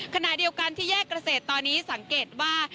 ขณะเดียวกันที่แยกเกษตรตอนนี้สังเกตว่า